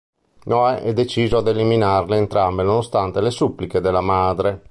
Noè è deciso ad eliminarle entrambe nonostante le suppliche della madre.